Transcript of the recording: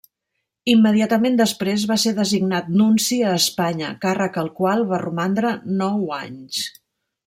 Immediatament després va ser designat nunci a Espanya, càrrec al qual va romandre nou anys.